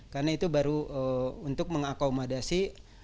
karena itu baru untuk mengakomodasi